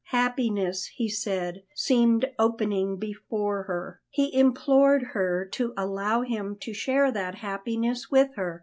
Happiness, he said, seemed opening before her; he implored her to allow him to share that happiness with her.